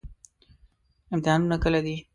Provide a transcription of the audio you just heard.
امتحانونه کله دي؟